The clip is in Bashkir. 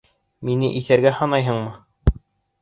Мине иҫәргә һанайһыңмы?